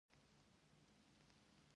باد لا اوس خاموشه شوی وو او نه لګیده.